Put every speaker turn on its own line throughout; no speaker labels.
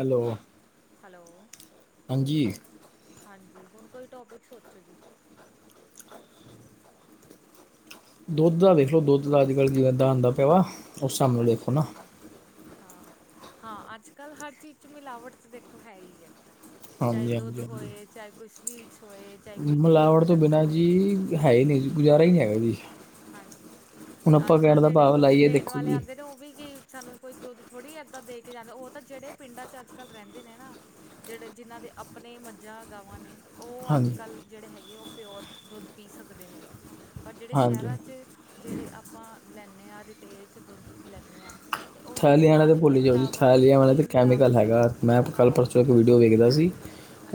Aloe
hello ਓ
ਹਾਂਜੀ ਈ
ਹਾਂਜੀ ਹੁਣ ਕੋਈ ਟੋਪਿਕ ਸੋਚੋ ਜੀ
ਦੁੱਧ ਦਾ ਵੇਖੋ ਲੋ ਦੁੱਧ ਦਾ ਅੱਜ ਕੱਲ੍ਹ ਕਿਵੇਂ ਦਾ ਇਦਾਂ ਆਦਾ ਪਿਆ ਵਾ ਹਿਸਾਬ ਨਾਲ ਦੇਖੋ
ਅੱਛਾ
ਨਾ
ਅੱਛਾ ਆ ਹਾਂ ਹਾਂ ਅੱਜ ਕੱਲ੍ਹ ਹਰ ਚੀਜ਼ ਚ ਮਿਲਾਵਟ ਤੇ ਦੇਖੋ ਓ ਹੈ ਈ ਐ ਚਾਹੇ
ਹਾਂਜੀ
ਦੁੱਧ
ਹਾਂਜੀ ਹਾਂਜੀ
ਹੋਏ ਚਾਹੇ ਏ ਕੋਈ ਸਵੀਟਸ ਹੋਏ ਚਾਹੇ ਕੋਈ ਡੇਅਰੀ
ਮਿਲਾਵਟ ਤੋਂ
ਪ੍ਰੋਡਕਟ
ਬਿਨਾਂ
ਹੋਏ
ਜੀ ਹੈ ਨੀ ਨਹੀਂ ਗੁਜ਼ਾਰਾ ਨੀ ਨਹੀ ਹੈਗਾ ਜੀ
ਹਾਂਜੀ
ਹੁਣ ਆਪਾਂ
ਅੱਜ ਕੱਲ੍ਹ
ਕਹਿਣ ਦਾ
ਜਿਹੜੇ
ਭਾਵ
ਦੁੱਧ
ਲਾਈਏ
ਦੇਣ
ਦੇਖੋ
ਵਾਲੇ
ਜੀ
ਆਦੇ ਨੇ ਉਹ ਵੀ ਕੀ ਸਾਨੂੰ ਕੋਈ ਦੁੱਧ ਥੋੜੀ ਇਦਾਂ ਦੇ ਕੇ ਜਾਂਦੇ ਐ ਉਹ ਤਾਂ ਜਿਹੜੇ ਪਿੰਡਾਂ ਚ ਅੱਜ ਕੱਲ ਰਹਿੰਦੇ ਨੇ ਨਾ ਜਿਹੜੇ ਜਿਨ੍ਹਾਂ ਦੇ ਆਪਣੇ ਮੱਝਾਂ ਗਾਵਾਂ ਨੇ ਉਹ ਅੱਜ
ਹਾਂਜੀ
ਕੱਲ੍ਹ ਜਿਹੜੇ ਹੈਗੇ ਏ ਉਹ ਪਿਓਰ ਦੁੱਧ ਪੀ ਸਕਦੇ ਨੇ ਪਰ ਜਿਹੜੇ
ਹਾਂਜੀ
ਸ਼ਹਿਰਾਂ ਚ ਤੇ ਜਿਹੜੇ ਆਪਾਂ ਲੈਨੇ ਆ ਰਿਟੇਲ ਚ ਦੁੱਧ ਲੈਨੇ ਆ
ਥੈਲੀਆਂ ਆਲਾ ਤਾਂ ਭੁੱਲ ਜਾਓ ਜੀ ਥੈਲ ਵਾਲਾ
ਕੋਈ
ਤਾਂ ਕੈਮੀਕਲ
ਮਿਲਾਵਟ ਇ
ਹੈਗਾ ਮੈਂ ਕੱਲ੍ਹ
ਹਾਂ
ਪਰਸੋਂ ਇੱਕ ਵੀਡੀਓ ਵੇਖਦਾ ਸੀ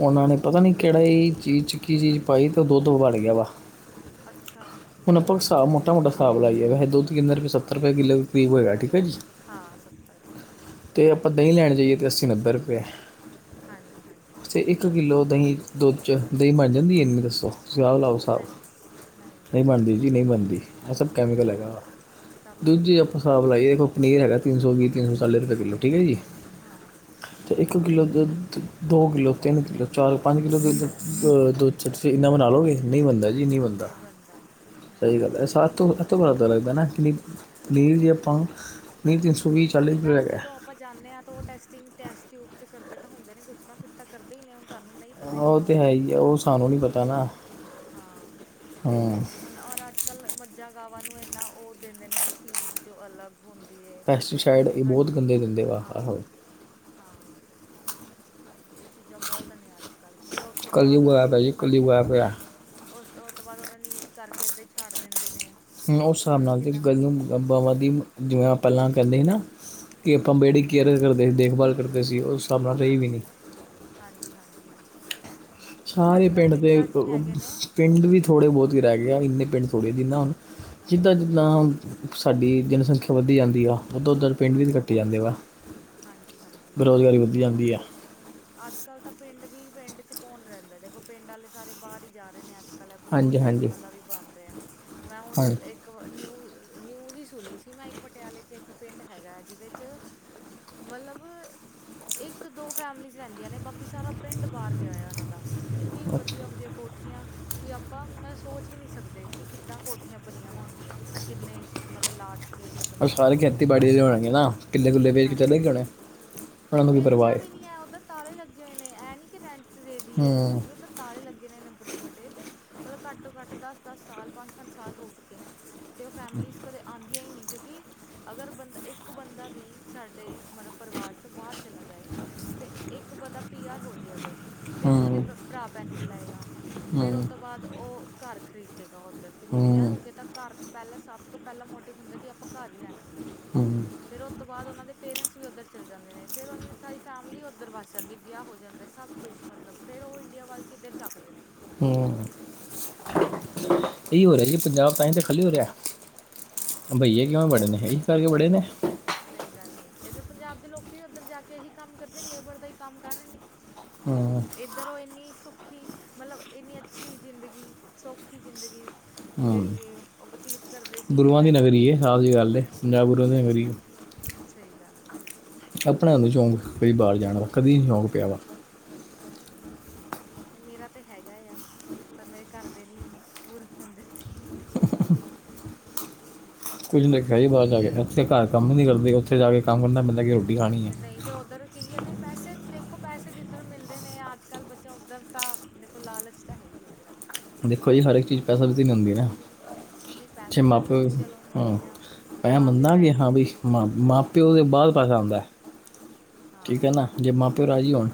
ਉਹਨਾਂ ਨੇ ਪਤਾ ਨੀ ਕੇੜਾਈ ਚੀਜ਼ ਚ ਕੀ ਚੀਜ਼ ਪਾਈ ਤੇ ਉਹ ਦੁੱਧ ਬੰਨ ਗਿਆ ਵਾ
ਅੱਛਾ ਆ
ਹੁਣ ਆਪਾਂ ਸਾਬ ਮੋਟਾ ਮੋਟਾ ਹਿਸਾਬ ਲਾਈਏਗਾ ਦੁੱਧ ਕਿੰਨੇ ਰੁਪਏ ਸੱਤਰ ਰੁਪਏ ਕਿੱਲੋ ਹੇਗਾ ਠੀਕ ਐ ਜੀ
ਹਾਂ ਸੱਤਰ ਰੁਪਏ ਕਿੱਲੋ ਐ
ਤੇ ਆਪਾਂ ਦਹੀਂ ਲੈਣ ਜਾਈਏ ਤਾਂ ਅੱਸੀ ਨੱਬੇ ਰੁਪਏ ਐ
ਹਾਂਜੀ ਹਾਂਨੀ ਈ
ਤੇ ਇੱਕ ਕਿੱਲੋ ਦਹੀਂ ਦੁੱਧ 'ਚ ਦਹੀਂ ਬਣ ਜਾਂਦੀ ਇੰਨੀ ਦੱਸੋ ਓ ਤੁਸੀ ਆਪ ਲਾਓ ਸਾਬ
ਨਹੀਂ
ਨਹੀਂ ਬਣਦੀ ਜੀ ਨਹੀਂ ਬਣਦੀ ਈ ਇਹ ਸਭ ਕੈਮੀਕਲ
ਨਹੀਂ
ਹੈਗਾ ਆ
ਬਣਦਾ ਸਭ ਕੁਛ
ਦੂਜੀ ਆਪਾਂ
ਕੈਮੀਕਲ
ਹਿਸਾਬ
ਆ
ਲਾਈਏ ਕੂ ਨੀਲ ਹੈਗਾ ਤਿੰਨ ਸੌ ਵੀਹ ਰੁਪਏ ਚਾਲੀ ਰੁਪਏ ਕਿੱਲੋ ਠੀਕ ਐ ਜੀ।
ਹਾਂ,
ਇੱਕ ਕਿੱਲੋ ਦੁੱਧ ਦੋ ਕਿੱਲੋ, ਤਿੰਨ ਕਿੱਲੋ ਚਾਰ ਪੰਜ ਕਿੱਲੋ ਦੁੱਧ ਅੱਛਾ ਤੁਸੀਂ ਇੰਨਾ ਬਣਾ ਲਓਗੇ ਨਹੀਂ ਬਣਦਾ ਜੀ, ਨਹੀਂ ਬਣਦਾ
ਨਹੀਂ
ਸਹੀ ਗੱਲ ਐ
ਬਣਦਾ
ਸਾਤੋ ਲੱਗਦਾ ਨਾ ਐਕਚੁਲੀ, ਨੀਲ ਵੀ ਆਪਾਂ
ਉਹੀ
ਰੁਪਏ
ਤਾਂ
ਹੈਗਾ
ਜਦੋਂ ਆਪਾਂ ਜਾਨੇ ਆ ਤਾਂ ਉਹ ਟੈਸਟਿੰਗ ਟੈਸਟ ਟਿਊਬ ਚ ਕਰਦੇ ਤਾਂ ਹੁੰਦੇ ਨੇ ਕੁਛ ਨਾ ਕੁਛ ਤਾਂ ਕਰਦੇ ਈ ਨੇ ਹੁਣ ਸਾਨੂੰ ਨੀ ਪਤਾ ਇੰਨੀ
ਉਹ ਤੇ ਹੈ
ਨੌਲੇਜ ਨੀ ਐ।
ਹੀ ਆ, ਉਹ ਸਾਨੂੰ ਨੀ ਪਤਾ ਨਾ,
ਹਾਂ,
ਹਾਂ,
ਹੁਣ ਔਰ ਅੱਜ ਕੱਲ੍ਹ ਮੱਝਾਂ ਗਾਵਾਂ ਨੂੰ ਇੰਨਾ ਉਹ ਦਿੰਦੇ ਨੇ ਉਹ ਫੀਡ ਜੋ ਅਲੱਗ ਹੁੰਦੀ ਐ,
ਪੈਸਟੀਸਾਈਡ
ਮਤਲਬ
ਇਹ
ਹਰ
ਬਹੁਤ
ਚੀਜ਼
ਗੰਦੇ ਦਿੰਦੇ ਵਾ
ਹਾਂ
ਆਹੋ
ਹਾਂ। ਇਹ ਚੀਜ਼ਾਂ ਬਹੁਤ ਨੇ ਅੱਜ ਕੱਲ੍ਹ ਫਿਰ ਓਤੋਂ ਬਾਅਦ
ਕਲਯੁਗ
ਉਹਨਾਂ ਨੂੰ
ਐਪ ਹੈ
ਯੂਜ
ਜੀ ਕਲਯੁਗ
ਕਰਕੇ।
ਐਪ ਹੈ
ਉਸ ਉਹ ਤੋਂ ਬਾਦ ਉਹਨਾਂ ਨੂੰ ਯੂਜ ਕਰਕੇ ਇੱਦਾਂ ਈ ਛੱਡ ਦਿੰਦੇ ਨੇ।
ਉਹ
ਫਿਰ
ਹਿਸਾਬ
ਉਹਨਾਂ ਨੂੰ
ਨਾਲ ਨਾਲ ਜੇ
ਕਿੰਨਾ
ਗੱਲ ਨੂੰ ਬਵਾਂ ਦੀ ਜਿਵੇਂ ਪਹਿਲਾਂ ਕਹਿੰਦੇ ਸੀ ਨਾ ਕਿ
ਹਾਂ
ਆਪਾਂ
ਹਾਂ
ਬੇੜੀ ਕੇਅਰ ਕਰਦੇ ਸੀ ਦੇਖਭਾਲ ਕਰਦੇ ਸੀ ਉਹ ਉਸ ਹਿਸਾਬ ਨਾਲ ਰਈ
ਹਾਂ
ਨੀ।
ਹਾਂਜੀ, ਹਾਂਜੀ, ਹਾਂਜੀ ਇਹ ਤਾਂ ਹੈ। ਅੱਜ
ਸਾਰੇ
ਕੱਲ੍ਹ
ਪਿੰਡ ਦੇ
ਪਿੰਡਾਂ 'ਚ ਹੀ ਹੈਗੇ ਨੇ
ਪਿੰਡ ਵੀ ਥੋੜ੍ਹੇ ਬਹੁਤ ਈ ਰਹਿ ਗਏ ਆ, ਇੰਨੇ ਪਿੰਡ ਥੋੜ੍ਹੇ ਆ ਜਿੰਨਾ ਹੁਣ, ਜਿੱਦਾਂ-ਜਿੱਦਾਂ ਸਾਡੀ ਜਨਸੰਖਿਆ ਵੱਧੀ ਜਾਂਦੀ ਆ ਉੱਧਰ-ਉੱਧਰ ਪਿੰਡ ਵੀ ਤਾਂ
ਹਾਂਜੀ
ਕੱਟੇ ਜਾਂਦੇ ਵਾ,
ਹਾਂਜੀ ਹਾਂਜੀ ਇਹ ਤਾਂ
ਬੇਰੁਜ਼ਗਾਰੀ
ਹੈ
ਵੱਧੀ ਜਾਂਦੀ ਆ।
ਅੱਜ ਕੱਲ੍ਹ ਤਾਂ ਪਿੰਡ ਵੀ ਪਿੰਡ ਚ ਕੌਣ ਰਹਿੰਦਾ, ਦੇਖੋ ਪਿੰਡ ਆਲੇ ਸਾਰੇ ਬਾਰ ਈ ਜਾ ਰਹੇ ਨੇ ਅੱਜ। ਬਰੋਡ
ਹਾਂਜੀ
ਦਾ ਈ
ਹਾਂਜੀ
ਉਹਨਾਂ ਦਾ ਵੀ ਬਣ ਰਿਆ ਮੈਂ ਹੁਣ ਇੱਕ
ਹਾਂਜੀ
ਇੱਕ ਨਿਊਜ਼, ਨਿਊਜ਼ ਈ ਸੁਣੀ ਸੀ ਮੈਂ ਇੱਕ ਪਟਿਆਲੇ 'ਚ ਇੱਕ ਪਿੰਡ ਹੈਗਾ ਜਿਹਦੇ 'ਚ ਮਤਲਬ ਇੱਕ ਦੋ ਫੈਮਲੀਜ਼ ਰਹਿੰਦੀਆਂ ਨੇ, ਬਾਕੀ ਸਾਰਾ ਪਿੰਡ ਬਾਹਰ ਗਿਆ ਉਹਨਾਂ ਦਾ, ਇੰਨੀ ਵਧੀਆ ਵਧੀਆ ਕੋ ਠੀਆਂ ਕਿ ਆਪਾਂ ਮਤਲਬ ਸੋਚ ਵੀ ਨੀ ਸਕਦੇ ਕਿ ਕਿੱਦਾਂ ਕੋਠੀਆਂ ਬਣੀਆਂ ਹੋਣਗੀਆਂ। ਕਿੰਨੇ ਮਤਲਬ ਲਾਰਜ ਸਕੇਲ 'ਤੇ
ਉਹ
ਬਣੀਆ ਨੇ।
ਸਾਰੇ ਖੇਤੀਬਾੜੀ ਦੇ
ਅਤੇ ਉਹ
ਹੋਣਗੇ ਨਾ, ਕਿਲੇ ਕੁਲੇ ਵੇਚ ਕੇ ਚਲੇ
ਹਾਂਜੀ
ਗਏ ਹੋਣੇ। ਉਹਨਾਂ ਨੂੰ ਕੀ ਪਰਵਾਹ
ਵੇਚਿਆ
ਹੈ
ਵੀ ਨੀ ਐ ਉਧਰ ਤਾਲੇ ਲੱਗੇ ਹੋਏ ਨੇ, ਇਹ ਨੀ ਕਿ ਰੈਂਟ ਤੇ ਦੇ ਦੀ ਐ ਕੁਛ
ਹੂੰ
ਵੀ ਉਧਰ, ਤਾਲੇ ਲੱਗੇ ਨੇ ਵੱਡੇ-ਵੱਡੇ ਤੇ। ਮਤਲਬ ਘੱਟ ਤੋਂ ਘੱਟ ਦਸ-ਦਸ ਸਾਲ ਪੰਜ-ਪੰਜ ਸਾਲ ਹੋ ਚੁੱਕੇ ਨੇ ਤੇ ਉਹ ਫੈਮਲੀਜ਼ ਕਦੇ, ਆਦੀਆਂ ਈ ਨੀ, ਕਿਉਂਕਿ ਅਗਰ ਬੰਦਾ ਇੱਕ ਬੰਦਾ ਵੀ ਸਾਡੇ ਮਤਲਬ ਪਰਿਵਾਰ 'ਚ ਚੋ ਬਾਹਰ ਚਲਾ ਜਾਏ, ਤੇ ਇੱਕ ਬੰਦਾ ਪੀ ਆਰ ਹੋ ਜਾਵੇ ਅਗਰ। ਤੇ ਉਹ ਆਪਣੇ
ਹੂੰ
ਭਰਾ ਭੈਣ ਨੂੰ ਬੁਲਾਏਗਾ, ਫਿਰ ਉਹ
ਹੂੰ
ਤੋਂ ਬਾਅਦ ਉਹ ਘਰ ਖ਼ਰੀਦੇਗਾ ਉੱਧਰ। ਕਿਉਂਕਿ ਪੀ ਆਰ
ਹੂੰ
ਹੋ ਕੇ ਤਾਂ ਘਰ ਪਹਿਲਾਂ ਸਭ ਤੋਂ ਪਹਿਲਾਂ ਮੋਟਿਵ ਹੁੰਦਾ ਕਿ ਆਪਾਂ ਘਰ ਈ ਲੈਣਾ।
ਹੂੰ
ਫਿਰ ਓਤੋਂ ਬਾਦ ਉਹਨਾਂ ਦੇ ਪੇਰੈਂਟ ਵੀ ਉੱਧਰ ਚੱਲ ਜਾਂਦੇ ਨੇ ਫਿਰ ਉਹਨਾਂ ਦੀ ਸਾਰੀ ਫੈਮਿਲੀ ਉੱਧਰ ਵੱਸ ਜਾਂਦੀ ਐ ਵਿਆਹ ਹੋ ਜਾਂਦਾ, ਸਭ ਕੁਛ ਮਤਲਬ ਫਿਰ ਉਹ ਇੰਡੀਆ ਵੱਲ ਕਿੱਧਰ ਚੱਕਦੇ ਨੇ।
ਹੂੰ, ਇਹੀ ਹੋ ਰਿਆ ਜੀ ਪੰਜਾਬ ਤਾਂ ਹੀ ਤੇ ਖੱਲੀ ਹੋ ਰਿਆ,
ਹਾਂ
ਬਈਏ ਕਿਉਂ ਵੜੇ ਨੇ ਇਹ, ਇਸ ਕਰ ਕੇ ਵੜੇ ਨੇ,
ਸਹੀ ਗੱਲ ਐ, ਇੱਧਰ ਪੰਜਾਬ ਦੇ ਲੋਕੀ ਵੀ ਉੱਧਰ ਜਾ ਕੇ ਇਹੀ ਕੰਮ ਕਰਦੇ ਨੇ, ਲੇਬਰ ਦਾ ਹੀ ਕੰਮ ਕਰ ਰਹੇ ਨੇ।
ਹਾਂ।
ਇੱਧਰ ਉਹ ਇੰਨੀ ਸੁੱਖੀ ਮਤਲਬ ਇੰਨੀ ਅੱਛੀ ਜ਼ਿੰਦਗੀ, ਸੌਖੀ ਜ਼ਿੰਦਗੀ
ਹੂੰ
ਜਿਹੜੀ ਇਹ ਉਹ ਬਤੀਤ ਕਰਦੇ ਸੀਗੇ
ਗੁਰੂਆਂ ਦੀ
ਪਹਿਲਾਂ,
ਨਗਰੀ ਹੈ ਸਾਫ ਜੀ ਗੱਲ ਹੈ ਪੰਜਾਬ ਗੁਰੂਆਂ ਦੀ
ਸਹੀ
ਨਗਰੀ
ਗੱਲ। ਸਹੀ ਗੱਲ ਐ।
ਆਪਨਾ ਨਹੀਂ ਸ਼ੌਂਕ ਭਈ ਬਾਹਰ ਜਾਣ ਦਾ, ਕਦੀ ਨੀ ਸ਼ੌਂਕ ਪਿਆ ਵਾ।
ਅੱਛਾ ਅੱਛਾ। ਨਹੀਂ ਮੇਰਾ ਤੇ ਹੈਗਾ ਆ, ਪਰ ਮੇਰੇ ਘਰ ਦੇ ਨਹੀਂ ਪੂਰਾ ਹੋਣ ਦਿੰਦੇ।
ਕੁੱਝ ਨੀ ਰਖਿਆ ਜੀ ਬਾਹਰ ਜਾ ਕੇ, ਇਥੇ ਘਰ ਕੰਮ ਨੀ ਕਰਦੇ, ਉੱਥੇ ਜਾ ਕੇ ਕੰਮ ਕਰਨਾ ਪੈਂਦਾ। ਖਾਣੀ ਹੈ
ਨਹੀਂ ਤਾਂ ਉੱਧਰ ਕੀ ਕਹਿੰਦੇ ਪੈਸੇ ਦੇਖੋ ਪੈਸੇ ਜਿੱਧਰ ਮਿਲਦੇ ਨੇ, ਅੱਜ ਕੱਲ੍ਹ ਬੱਚਾ ਉੱਧਰ ਤਾਂ ਦੇਖੋ ਲਾਲਚ ਤਾਂ ਹੈ ਹੀ ਐ ਫਿਰ ਅੱਜ ਕੱਲ।
ਦੇਖੋ ਜੀ ਹਰ ਇੱਕ ਚੀਜ਼ ਪੈਸਾ ਵੀ ਤੇ ਨੀ ਹੁੰਦੀ ਨਾ।
ਨਹੀਂ
ਜੇ
ਪੈਸਾ ਤਾਂ ਨੀ
ਮਾਪਿਓ
ਹੁੰਦੀ ਚਲੋ
ਹਾਂ
ਮੰਨਦੀ ਆ।
ਮੈਂ ਮੰਨਦਾ ਆ ਕਿ ਹਾਂ ਬਈ ਮਾਂ-ਪਿਓ ਦੇ ਬਾਅਦ ਪੈਸਾ ਆਂਦਾ।
ਹਾਂ
ਠੀਕ ਐ ਨਾ, ਜੇ ਮਾਂ-ਪਿਓ
ਹਮ
ਰਾਜ਼ੀ ਹੋਣ,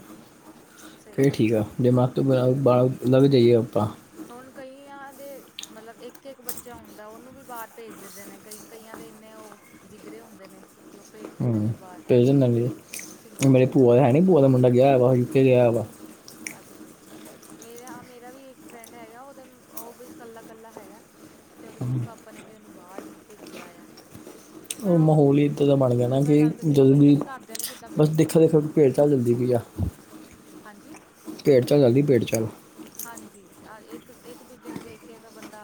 ਸਹੀ
ਫਿਰ
ਗੱਲ
ਠੀਕ ਆ
ਸਹੀ ਗੱਲ
ਜੇ ਮਾਂ ਤੇ ਬ ਬਾਅਦ ਓਦਾ ਵੀ ਜਾਈਏ ਆਪਾਂ।
ਹੁਣ ਕਈਆਂ ਦੇ ਮਤਲਬ ਇੱਕ-ਇੱਕ ਬੱਚਾ ਹੁੰਦਾ ਉਹਨੂੰ ਵੀ ਬਾਹਰ ਭੇਜ ਦਿੰਦੇ ਨੇ, ਕਈ ਕਈਆਂ ਦੇ ਇੰਨੇ ਉ ਜਿਗਰੇ ਹੁੰਦੇ ਨੇ। ਕਿ ਉਹ ਭੇਜ ਦਿੰਦੇ
ਹੂੰ
ਨੇ ਬਾਹਰ।
ਭੇਜ ਦਿੰਦੇ
ਇੱਕ
ਨੇ,
ਇੱਕ
ਹੁਣ
ਸਿੰਗਲ
ਮੇਰੇ
ਸਿੰਗਲ
ਭੂਆ ਹੈ ਨੀ ਭੂਆ
ਪਰਸ
ਦਾ ਮੁੰਡਾ ਗਿਆ ਵਾ, ਓਹ ਯੂ ਕੇ ਗਿਆ ਵਾ।
ਅੱਛਾ ਅੱਛਾ ਅੱਛਾ ਮੇਰਾ ਮੇਰਾ ਵੀ ਇੱਕ ਫਰੈਂਡ ਹੈਗਾ, ਉਹਦਾ ਉਹ ਵੀ ਕੱਲਾ-ਕੱਲਾ ਹੈਗਾ। ਤੇ ਉਹਦੇ ਮੰਮੀ-ਪਾਪਾ ਨੇ ਵੀ ਉਹਨੂੰ ਬਾਹਰ ਹੀ ਭੇਜਿਆ ਆ। ਅਤੇ ਮੈਂ
ਉਹ ਮਾਹੌਲ ਹੀ ਇੱਦਾਂ ਦਾ ਬਣ ਗਿਆ ਨਾ
ਕਈ
ਕਿ
ਵਾਰ ਗੱਲ ਕਰਦੀ
ਜਦੋਂ
ਬਈ
ਵੀ
ਤੇਰੇ ਘਰਦਿਆਂ ਨੇ ਕਿੱਦਾਂ
ਬਸ
ਭੇਜਤਾ ਬਈ
ਦੇਖੋ ਕਿ
ਤੈਨੂੰ ਬਾਹਰ
ਭੇਡ ਚਲਦੀ ਪਈ ਆ। [unintelligible]
ਹਾਂਜੀ?
ਭੇਡ ਚਾਲ ਚੱਲਦੀ ਭੇਡ ਚਾਲ।
ਹਾਂਜੀ, ਇੱਕ-ਇੱਕ ਦੂਜੇ ਨੂੰ ਵੇਖ ਕੇ ਤਾਂ ਬੰਦਾ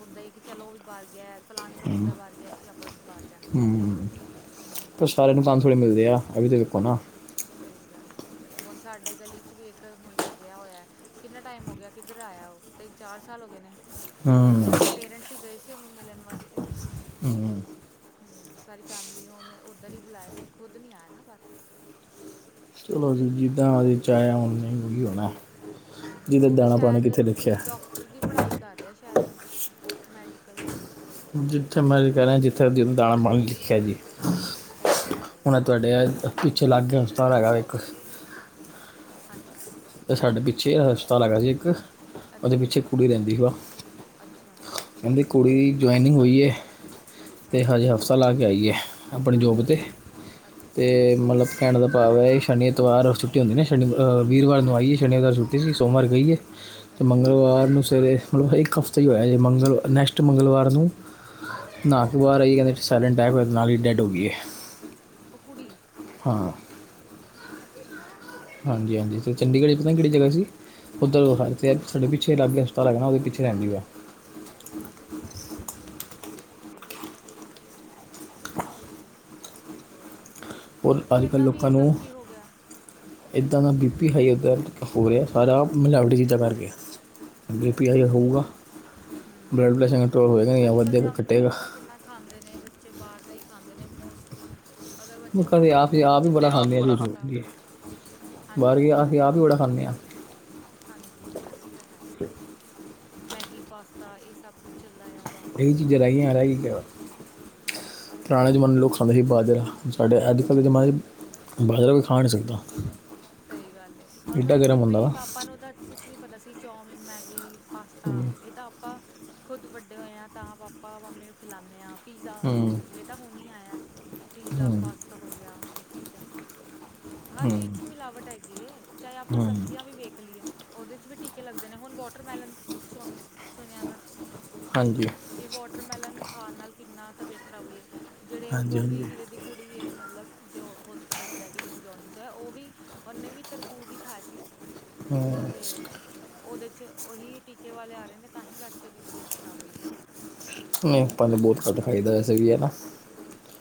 ਹੁੰਦਾ ਕਿ ਚਲੋ ਉਹ ਵੀ ਬਾਰ ਗਿਆ, ਫਲਾਣੇ ਦਾ ਮੁੰਡਾ ਬਾਰ ਗਿਆ ਜੀ ਆਪਾਂ ਬਾਹਰ ਜਾਣਾ। ਹਮ
ਫਿਰ ਸਾਰਿਆਂ ਨੂੰ ਚਾਸ ਥੋੜ੍ਹੇ ਮਿਲਦੇ ਆ, ਐ ਵੀ ਦੇਖੋ ਨਾ।
ਸਹੀ ਗੱਲ ਸਹੀ ਗੱਲ ਐ, ਹੁਣ ਸਾਡੇ ਗਲੀ ਚ ਵੀ ਇੱਕ ਮੁੰਡਾ ਗਿਆ ਹੋਇਆ। ਕਿੰਨਾ ਟਾਈਮ ਹੋ ਗਿਆ ਕਿੱਧਰ ਆਇਆ ਉਹ, ਤਿੰਨ ਚਾਰ ਸਾਲ ਹੋ ਗਏ ਨੇ,
ਹੂੰ
ਹੁਣ ਉਹਦੇ ਪੇਰੈਂਟਸ ਹੀ ਗਏ ਸੀ। ਉਹਨੂੰ ਮਿਲਣ ਵਾਸਤੇ।
ਹੂੰ।
ਹੂੰ, ਸਾਰੀ ਫੈਮਿਲੀ ਨੂੰ ਉਹਨੇ ਉੱਧਰ ਹੀ ਬੁਲਾਇਆ ਸੀ ਖ਼ੁਦ ਨੀ ਆਇਆ ਨਾ ਪਰ।
ਚਲੋ ਜੀ ਜਿੱਦਾਂ ਉਹਦੀ ਚਾਹਿਆ ਉਹਨੇ ਉਹੀ ਹੋਣਾ।
ਹੂੰ
ਜਿਹਦਾ
ਉਹ ਵੀ
ਦਾਣਾ ਪਾਣੀ
ਸ਼ਾਇਦ
ਕਿੱਥੇ ਲਿਖਿਆ।
ਡਾਕਟਰ ਦੀ ਪੜ੍ਹਾਈ ਕਰ ਰਿਹਾ ਸ਼ਾਇਦ ਉਹ ਮੈਡੀਕਲ।
ਜਿੱਥੇ ਮਰਜ਼ੀ ਕਹਿ ਲੈਣ, ਜਿੱਥੇ ਦਾਣਾ ਪਾਣੀ ਲਿਖਿਆ ਜੀ।
ਸਹੀ ਗੱਲ ਇਹ
ਹੁਣ ਐ
ਤਾਂ ਹੈ
ਤੁਹਾਡੇ ਐ ਪਿੱਛੇ ਲਾਗੇ ਹਸਪਤਾਲ ਹੈਗਾ ਇੱਕ।
ਹਾਂਜੀ?
ਆ ਸਾਡੇ ਪਿੱਛੇ ਹਸਪਤਾਲ ਹੈਗਾ ਜੀ ਇੱਕ, ਉਹਦੇ
ਅੱਛਾ।
ਪਿੱਛੇ ਕੁੜੀ ਰਹਿੰਦੀ ਵਾ।
ਅੱਛਾ।
ਕਹਿੰਦੀ ਕੁੜੀ ਜੁਆਇਨਿੰਗ ਹੋਈ ਐ।
ਅੱਛਾ,
ਤੇ ਹਜੇ ਹਫ਼ਤਾ ਲਾ ਕੇ ਆਈ ਐ ਆਪਣੀ ਜੋਬ
ਅੱਛਾ,
ਤੇ,
ਅੱਛਾ,
ਤੇ ਮਤਲਬ ਕਹਿਣ ਦਾ ਭਾਵ ਐ ਸ਼ਨੀ, ਐਤਵਾਰ ਛੁੱਟੀ ਹੁੰਦੀ ਨਾ, ਸ਼ਨੀ ਅ ਵੀਰਵਾਰ ਨੂੰ ਆਈਏ, ਸ਼ਨੀਵਾਰ ਛੁੱਟੀ ਸੀ, ਸੋਮਵਾਰ ਗਈ ਏ। ਤੇ
ਅੱਛਾ,
ਮੰਗਲਵਾਰ ਨੂੰ ਸਵੇਰੇ ਮਤਲਬ ਇੱਕ ਹਫ਼ਤਾ ਹੀ ਹੋਇਆ ਅਜੇ, ਮੰਗਲ ਨੈਕਸਟ ਮੰਗਲਵਾਰ ਨੂੰ
ਅੱਛਾ।
ਐਤਵਾਰ ਆਈ ਕਹਿੰਦੇ ਸਾਈਲੈਂਟ ਅਟੈਕ ਹੋਇਆ ਨਾਲ ਹੀ ਡੈਡ ਹੋ ਗਈ ਐ।
ਊ ਕੂੜੀ
ਹਾਂ।
ਅੱਛਾ!
ਹਾਂਜੀ-ਹਾਂਜੀ, ਤੇ ਚੰਡੀਗੜ੍ਹ ਚ ਪਤਾ ਨੀਂ ਕੇੜੀ ਜਗ੍ਹਾ ਸੀ? ਓਧਰ ਹਰਸੈਬ ਸਾਡੇ ਪਿੱਛੇ ਲਾਗੇ ਹਸਪਤਾਲ ਹੈਗਾ ਨਾਂ ਓਦੇ ਪਿਛੇ ਰੈਂਦੀ ਐ ਓ।
ਅੱਛਾ-ਅੱਛਾ-ਅੱਛਾ, ਓਕੇ। ਪਤਾ ਨੀਂ, ਹੋਏਗਾ,
ਔਰ
ਤੇ
ਅੱਜ ਕੱਲ੍ਹ
ਏਦਾਂ ਵੀ
ਲੋਕਾਂ ਨੂੰ
ਇਕਦਮ ਕੀ ਹੋ ਗਯਾ?
ਇੱਦਾਂ ਦਾ ਬੀਪੀ ਹਾਈ ਉਦ ਹੋ ਰੇਯਾ, ਸਾਰਾ ਮਿਲਾਵਟੀ ਚੀਜ਼ਾਂ ਕਰਕੇ। ਬੀਪੀ ਹਾਈ ਹੋਊਗਾ
ਓਕੇ-ਓਕੇ ਹੂੰ,
ਬਲੱਡ
ਏ
ਪ੍ਰੈਸ਼ਰ
ਤਾਂ ਹੈ
ਕੰਟਰੋਲ ਹੋਏਗਾ ਨਹੀਂ ਜਾਂ
ਅੱਜ-ਕੱਲ
ਵਧੇਗਾ
ਜੰਕ ਫੂਡ
ਘਟੇਗਾ
ਵੀ ਤਾਂ ਕਿੰਨਾ ਖਾਂਦੇ ਨੇ ਬੱਚੇ, ਬਾਰ ਦਾ ਈ ਖਾਂਦੇ ਨੇ ਮੋਸਟਲੀ। ਅਗਰ ਬੱਚੇ
ਮੈਂ
ਨੂੰ
ਕਦੇ
ਭੁੱਖ ਲੱਗੀ ਆ
ਆਪ-ਆਪ
ਬੱਚਾ
ਈਬੜਾ
ਮੈਗੀ
ਖਾਂਦੇ ਆ ਝੂਠ,
ਪਾਸਤਾ
ਬਾਰ
ਹਾਂਜੀ
ਐਸੀ ਆਪ ਵੀ ਬੜਾ ਖਾਂਨੇ ਆਂ।
ਹਾਂਜੀ-ਹਾਂਜੀ, ਏ ਤਾਂ ਹੈ। ਮੈਗੀ, ਪਾਸਤਾ ਏ ਸਭ ਕੁਛ ਚੱਲਦਾ ਆ। ਬਾਹਰ ਦਾ
ਏਈ
ਬਸ
ਚੀਜ਼ਾਂਰੈ ਗੀਆਂ, ਹੋਰ ਰੈ ਕੀ ਗਯਾ ਹੋਰ?
ਹਾਂਜੀ
ਜਮਾਨੇ ਲੋਕ ਖਾਂਦੇ ਸੀ ਬਾਜਰਾ, ਸਾਡੇ ਅੱਜ-ਕੱਲਦੇ ਜਮਾਨੇ ਚ ਬਾਜਰਾ ਕੋਈ ਖਾ ਨੀਂ ਸਕਦਾ।
ਸਈ ਗੱਲ ਐ, ਹੁਨ
ਐਡਾ
ਮੇਰੀ
ਗਰਮ ਹੁੰਦਾ ਵਾ
ਮੰਮੀ-ਪਾਪਾ ਨੂੰ ਤਾਂ ਕੁਛ ਨਈਂ ਪਤਾ ਸੀ ਚੌਮਿਨ, ਮੈਗੀ
ਹੂੰ
ਪਾਸਤਾ, ਏ ਤਾਂ ਆਪਾਂ ਖੁਦ ਵੱਡੇ ਹੋਏ ਆਂ ਤਾਂ ਪਾਪਾ-ਮਮੀ ਨੂੰ ਖਿਲਾਨੇ ਆਂ ਆਪ। ਪੀਜ਼ਾ,
ਹੂੰ
ਏ ਤਾਂ ਹੁਨ ਈਂ ਆਇਆ। ਪੀਜ਼ਾ,
ਹੂੰ
ਪਾਸਤਾ ਹੋ ਗਿਆ, ਏ ਚੀਜ਼ਾਂ। ਹਰ
ਹੂੰ
ਚੀਜ਼ ਚ ਮਿਲਾਵਟ ਹੈਗੀ ਏ, ਚਾਏ ਆਪਾਂ
ਹੂੰ
ਸਬਜ਼ੀਆਂ ਵੀ ਵੇਖ ਲਈਏ ਓਦੇ ਚ ਵੀ ਟੀਕੇ ਲੱਗਦੇ ਨੇ ਹੁਣ ਵ ਵੋਟਰਮੈਲਨ ਸੁ ਸੁਨੇਆ ਮੈਂ।
ਹਾਂਜੀ
ਕਿ ਵੋਟਰਮੈਲਨ ਖਾਨ ਨਾਲ ਕਿੰਨਾ ਤਬੀਅਤ ਖਰਾਬ ਹੋਈ ਐ, ਜੇੜੇ ਉਹ
ਹਾਂਜੀ ਹਾਂਜੀ
ਬੋਬੀ ਵੀਰੇ ਕੁੜੀ ਯੇ ਮਤਲਬ ਜੋ ਹੋਸਪਿਟਲ ਚ ਰੈ ਕੇ ਜੀਨੂੰ ਜੋਨਡਿਸ ਐ ਓ ਵੀ ਓਨੇ ਵੀ ਤਰਬੂਜ਼ ਈ ਖਾਇਆ ਸੀ,
ਹੂੰ
ਤੇ ਓਦੇ ਚ ਓਹੀ ਟੀਕੇ ਵਾਲੇ ਆ ਰੇ ਨੇ ਤਾਂ ਹੀ ਕਰਕੇ ਓਦੀ ਤਬੀਅਤ ਖਰਾਬ ਹੋਈ ਐ।
ਨਈਂ, ਆਪਾਂ ਨੂੰ ਬੋਤ ਘੱਟ ਖਾਈਦਾ ਵੈਸੇ ਵੀ ਐ, ਨਾ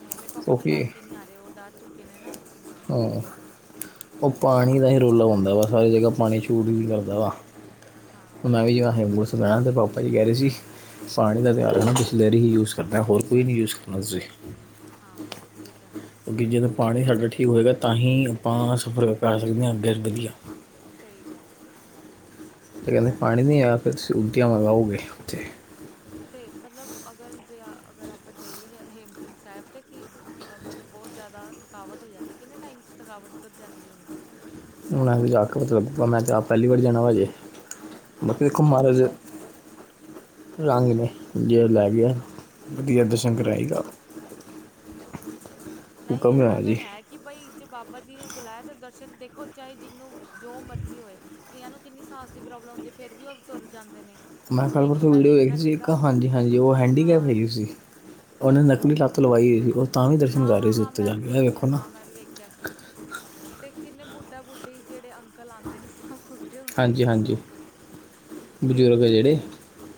ਨਈ ਮੇਰੇ ਪਾਪਾ ਤਾਂ ਲੈ
ਕਿਉਂਕਿ
ਕੇ ਨੀ ਆਰੇ, ਔ ਡਾਰ ਚੁੱਕੇ ਨੇ ਨਾ। ਕਿ
ਹਾਂ,
ਕਿ ਏਦਾਂ
ਔ ਪਾਨੀ ਦਾ ਈਂ ਰੌਲਾ ਹੁੰਦਾ ਵਾਂ, ਸਾਰੀ ਜਗ੍ਹਾ ਪਾਨੀ ਛੂਟ ਵੀ ਕਰਦਾ ਵਾ। ਹੁਨ
ਹਾਂ
ਮੈਂ
ਇਹ
ਵੀ
ਤਾਂ ਹੈ
ਹੇਮਕੁੰਟ ਸੁਣਾਆ ਤੇ ਪਾਪਾ ਜੀ ਕੈ ਰੇ ਸੀ ਪਾਨੀ ਦਾ
ਹਮ
ਧਿਆਨ ਰੱਖਣਾ, ਬਿਸਲੇਰੀ ਹੀ ਯੂਜ ਕਰਨਾ, ਹੋਰ ਕੋਈ ਨੀ ਯੂਜ ਕਰਨਾ ਤੁਸੀ।
ਹਾਂ, ਐ ਤਾਂ ਹੈ।
ਕਿਉਂਕਿ ਜਦੋਂ ਪਾਨੀ ਸਾਡਾ ਠੀਕ ਹੋਐਗਾ ਤਾਂ ਹੀ, ਆਪਾਂ ਸਫਰ ਕਰ ਸਕਦੇ ਹਾਂ ਅੱਗੇ ਵਧੀਆ।
ਸਈ ਗਾੱਲ ਐ, ਸਈ ਗੱਲ ਐ।
ਫਿਰ ਕੈਂਦੇ ਪਾਨੀ ਨੀ ਆਯਾ, ਫਿਰ ਤੁਸੀਂ ਉਲਟੀਆਂ ਵਗਾਓਗੇ ਓਥੇ।
ਤੇ ਮਤਲਬ ਅਗਰ ਜੇ ਅਗਰ ਆਪਾਂ ਜਾਈਐ ਹੇਮਕੁੰਟ ਸੈਬ ਤੇ ਕਿ ਮਤਲਬ ਬੋਤ ਜਾਦਾ ਥਕਾਵਟ ਹੋ ਜਾਂਦੀ, ਕਿੰਨੇ ਟਾਈਮ 'ਚ ਥਕਾਵਟ ਉਤਰ ਜਾਂਦੀ ਹੋਨੀ ਐ?
[unintelligible] ਮੈਂ ਤਾ ਆਪ ਪੈਲੀ ਵਾਰੀ ਜਾਣਾ ਵਾ ਅਜੇ, ਬਾਕੀ ਦੇਖੋ
ਅੱਛਾ।
ਮਾਰਜ ਰੰਗ ਨੇ ਜੇ ਲੈ ਗਿਆ,
ਹਾਂ
ਵਧੀਆ ਦਰਸ਼ਨ
ਹਾਂ ਇਹ
ਕਰਏਗਾ।
ਤਾਂ
[inaudible]
ਹਾਂ, ਨਈ ਏਦਾਂ ਤੇ ਹੈ ਕਿ ਬਈ ਜੇ ਬਾਬਾ ਜੀ ਨੇ ਬੁਲਾਯਾ ਤਾਂ ਦਰਸ਼ਨ ਦੇਖੋ ਚਾਏ ਜੀਨੂੰ, ਜੋ ਮਰਜ਼ੀ ਹੋਏ। ਕਿਆ ਨੂ ਕਿੰਨੀ ਸਾਸ ਦੀ ਪ੍ਰੋਬਲਮ ਹੁੰਦੀ, ਫੇਰ ਵੀ ਓ ਤੁਰ ਜਾਂਦੇ ਨੇ।
ਮੈਂ ਕਲ
ਇੱਕ
ਪਰਸੋ
ਮੈਂ
ਵੀਡੀਓ ਵੇਖੀ
ਦੇਖਿਆ
ਸੀ ਇੱਕ
ਸੀਗਾ
ਹਾਂਜੀ-ਹਾਂਜੀ ਓ ਹੈਂਡੀਕੈਪ
ਹਾਂ
ਹੈਗੀ ਸੀ। ਓਨੇ ਨਕਲੀ ਲਾ ਤ ਲਵਾਈ ਹੋਈ ਸੀ। ਤਾਂ ਵੀ ਦਰਸ਼ਨ ਕਰ ਰਹੀ
ਹਾਂ-ਹਾਂ,
ਸੀ
ਹਾਂ
ਉੱਤੇ
ਮੈਂ
ਜਾ
ਵੀ
ਕੇ ਇਹ
ਵੇਖੇਆ
ਵੇਖੋ ਨਾ
ਹਾਂ, ਮੈਂ ਵੀ ਵੇਖੇਆ। ਕੈਸੀ ਔ, ਤੇ ਕਿੰਨੇ ਬੁੱਢਾ- ਬੁੱਢੀ ਜਿਹੜੇ ਅੰਕਲ ਆਂਦੇ ਨੇ ਬੁੱਢੇ ਹੁੰਦੇ ਨੇ
ਹਾਂਜੀ- ਹਾਂਜੀ
ਸੋਰੀ ਤੇ
ਬਜ਼ੁਰਗ ਐ ਜਿਹੜੇ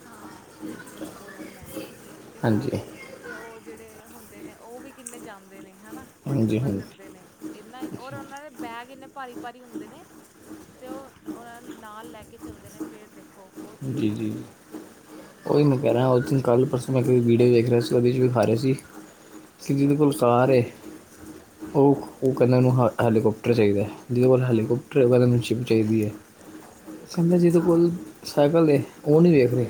ਹਾਂ, ਮੈਂਨੂੰ ਬੋਲਨਾ ਨੀ ਆਇਆ ਨਾ ਤੇ
ਹਾਂਜੀ
ਹਾਂ ਤੇ ਔ ਜਿਹੜੇ, ਹੁੰਦੇ ਨੇ ਔ ਵੀ ਕਿੰਨੇ ਜੰਮਦੇ ਨੇ ਹਨਾ।
ਹਾਂਜੀ
ਸਫ਼ਰ
ਹਾਂਜੀ
ਕਰਦੇ ਨੇ, ਏਨਾ ਈ ਔਰ ਉਹਨਾਂ ਦੇ ਬੈਗ ਏਨੇ ਭਾਰੀ ਭਾਰੀ ਹੁੰਦੇ ਨੇ, ਤੇ ਉਹ ਉਹਨਾਂ ਨੂੰ ਨਾਲ ਲੈ ਕੇ ਚਲਦੇ ਨੇ ਫੇਰ ਦੇਖ
ਜੀ-ਜੀ। ਓਈ ਮੈਂ ਕਹਿ ਰਿਹਾਂ ਉਹਦੇ ਚ ਕੱਲ ਪਰਸੋਂ ਮੈਂ ਇੱਕ ਵੀਡੀਓ ਵੇਖ ਰਿਹਾ ਸੀ, ਓਦੇ ਚ ਵਿਖਾ ਰਹੇ ਸੀ। ਸੀ ਜਿਦੇ ਕੋਲ ਕਾਰ ਏ ਔ
ਹਾਂ
-ਔ ਕੈਂਦੇ ਮੈਨੂੰ ਹੈਲੀਕਪਟਰ ਚਾਇਦਾ ਐ। ਜਿਦੇ ਕੋਲ
ਹਾਂ
ਹੈਲੀਕੋਪਟਰ ਐ,
ਸਹੀ
ਔ ਕੈਂਦੇ ਮੈਨੂ ਸ਼ਿਪ ਚਾਈਦੀ ਏ,
ਸਹੀ ਗੱਲ
ਕਮਲੇ
ਸਹੀ
ਜਿਹਦੇ
ਗੱਲ
ਕੋਲ
ਹੈ
ਸੈਕਲ ਤੇ ਔ ਨੀ ਵੇਖ ਰਏ।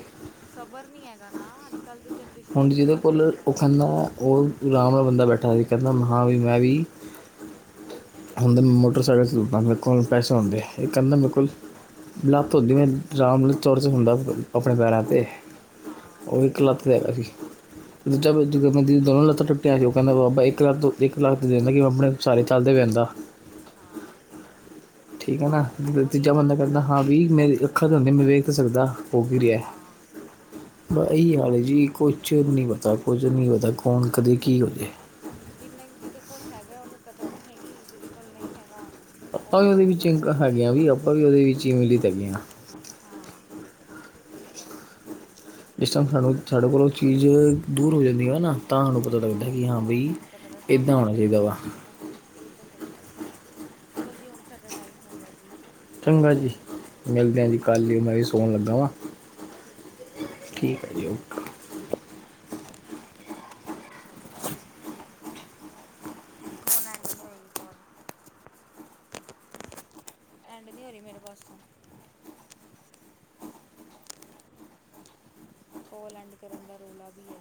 ਸਬਰ ਨੀ ਹੈਗਾ ਨਾ, ਅੱਜ਼ ਕੱਲ ਦੀ ਜਨਰੇਸ਼ਨ ਚ ਸਬਰ ਨੀ ਹੈਗਾ।
ਔ ਰਾਮ ਨਾਲ ਬੰਦਾ ਬੈਠਾ ਹੀ, ਕੈਂਦਾ ਹਾ ਬੀ ਮੈਂ ਵੀ ਹੁੰਦਾਂ ਮੋਟਰਸਾਈਕਲ ਹਾਂ ਮੇਰੇ ਕੋਲ ਵੀ ਪੈਸੇ ਹੁੰਦੇ, ਇੱਕ ਕੈਦਾ ਮੇਰੇ ਕੋਲ ਲੱਤ ਹੁੰਦੀ ਮੈ ਰਾਮ ਨਾਲ ਤੁਰ ਤੇ ਹੁੰਦਾ ਆਪਣੇ ਪੈਰਾਂ 'ਤੇ।
ਹਾਂ
ਔ
ਸਹੀ
ਇੱਕ
ਗੱਲ
ਲੱਤ
ਹੈ
ਤੇ
ਸਹੀ
ਹੈਗਾ ਸੀ। [unintelligible]
ਹਾਂ
ਦੋਨੋ ਲੱਤਾ ਟੁੱਟਿਆ ਸੀ ਉਹ ਕਹਿੰਦਾ ਬਾਬਾ ਇੱਕ ਲੱਤ ਤੋਂ ਇੱਕ ਲੱਤ ਤੇ ਦਿੰਦਾ ਕਿ ਮੈਂ ਆਪਣੇ ਸਹਾਰੇ ਚੱਲ ਤਾਂ ਪੈਂਦਾਂ। [inaudible]
ਹਾਂ, ਏ ਤਾਂ ਹੈ।
ਠੀਕ ਐ ਨਾ,
ਉਹੀ
ਤੀਜਾ
ਨਾ
ਬੰਦਾ
ਅੱਜ
ਕੈਂਦਾ
ਕੱਲ੍ਹ
ਹਾਂ ਬੀ
ਜਨਰੇਸ਼ਨ
ਮੇਰੀ
'ਚ
ਅੱਖਾ ਤੇ
ਸਬਰ
ਹੁੰਦੀਆਂ
ਨਹੀਂ
ਮੈਂ ਵੇਖ
ਹੈਗਾ
ਤੇ ਸਕਦਾਂ ਹੋ ਕੀ ਰਿਆ।
ਹਾਂ ਹਾਂ
ਬਸ
ਸਹੀ
ਇਹੀ
ਗੱਲ
ਹਾਲ ਐ
ਹੈ
ਜੀ ਕੁੱਛ ਨੀ ਪਤਾ, ਕੁਝ ਨੀ ਪਤਾ ਕੌਣ ਕਦੇ ਕੀ ਹੋਜੇ।
ਜਿੰਨੇ ਜਿਦੇ ਕੋਲ ਹੈਗਾ ਓਨੂੰ ਕਦਰ ਨੀ ਹੈਗੀ, ਜਿਦੇ ਕੋਲ ਨਈ ਹੈਗਾ
ਆਪਾਂ ਵੀ
ਉਹਨੂੰ ਹੀ
ਉਦੇ
ਪਤਾ
ਵਿੱਚ
ਲੱਗਦਾ
ਹੈਗੇ ਆ, ਵੀ ਆਪਾਂ ਵੀ ਉਦੇ ਵਿੱਚ ਈ ਮਿਲੀਤ ਹੈਗੇ ਆ।
ਹਾਂ, ਏ ਤਾਂ ਹੈ।
ਜਿਸ ਟੈਮ ਸਾਡ ਸਾਡੇ ਕੋਲੋਂ ਓ ਚੀਜ਼, ਦੂਰ ਹੋ ਜਾਂਦੀ ਐ ਨਾ ਤਾਂ ਸਾਨੂੰ ਪਤਾ
ਹਾਂ-
ਲੱਗਦਾ ਕਿ
ਹਾਂ ਤਾਂ
ਬਈ
ਸਾਨੂੰ ਪਤਾ ਲੱਗ, ਤਾਂ
ਇਦਾਂ
ਸਾਨੂੰ
ਹੋਣਾ
ਕਦਰ
ਚਾਹੀਦਾ ਵਾ
ਆਂਦੀ ਆ ਏ ਤਾਂ ਹੈ। ਏ ਤਾਂ ਸਈ ਗੱਲ ਕਹਿ ਰੇ, ਚਲੋ ਜੀ ਹੁਨ ਸਾਡਾ ਟਾਇਮ ਹੋ ਗਿਆਂ ਜੀ।
ਚੰਗਾ ਜੀ, ਮਿਲਦੇ
ਓਕੇ
ਆ ਜੀ ਕੱਲ
ਓਕੇ
ਈ ਮੈਂ ਵੀ ਸੋਣ ਲੱਗਾ ਵਾਂ।
ਠੀਕ ਹੈ ਜੀ ਹੈ
ਠੀਕ ਐ ਜੀ।
ਠੀਕ ਹੈ ਓਕੇ ਹੁਣ ਐਂਡ ਨੀ ਹੋਏਗੀ ਕੋਲ। ਐਂਡ ਨੀ ਹੋ ਰੀ ਮੇਰੇ ਪਾਸੋਂ। ਕੋਲ ਐਂਡ ਕਰਨ ਦਾ ਰੌਲਾ ਬੀ ਏ।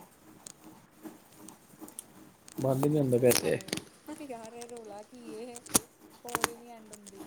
ਬੰਦ ਨੀ ਹੁੰਦਾ ਪੈਸੇ
ਹੈਲੋ, ਯਾਰ ਏ ਰੌਲਾ ਕੀ ਏ ਕੋੋਲ ਈ ਨੀ ਐਂਡ ਹੁੰਦੀ।